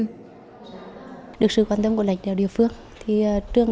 theo sở giáo dục và đào tạo tỉnh quảng bình